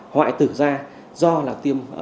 hoại tử ra do là tiêm